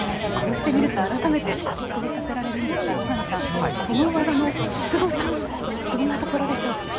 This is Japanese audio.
こうして見ると改めて圧倒させられるんですが野上さんこの技のすごさどんなところでしょう？